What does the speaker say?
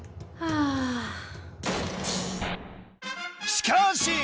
しかし！